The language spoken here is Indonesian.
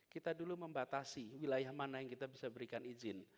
kita dulu membatasi wilayah mana yang kita bisa berikan izin